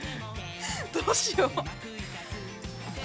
どうしよう。